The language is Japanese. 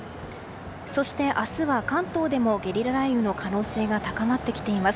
そして、明日は関東でもゲリラ雷雨の可能性が高まってきています。